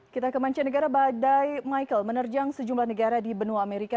kita ke mancanegara badai michael menerjang sejumlah negara di benua amerika